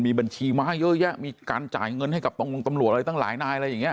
มีบัญชีม้าเยอะแยะมีการจ่ายเงินให้กับตรงตำรวจอะไรตั้งหลายนายอะไรอย่างนี้